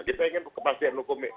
kita ingin kepastian hukum